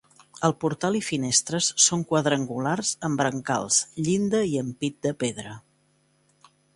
El portal i finestres són quadrangulars amb brancals, llinda i ampit de pedra.